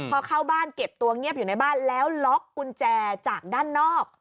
พอเข้าบ้านเก็บตัวเงียบอยู่ในบ้านแล้วล็อกกุญแจจากด้านนอก